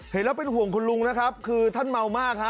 เห็นแล้วเป็นห่วงคุณลุงนะครับคือท่านเมามากฮะ